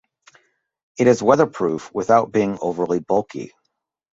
It is weatherproof without being overly bulky.